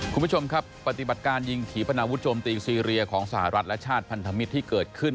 คุณผู้ชมครับปฏิบัติการยิงถีปนาวุธโจมตีซีเรียของสหรัฐและชาติพันธมิตรที่เกิดขึ้น